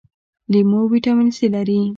لیمو ویټامین سي لري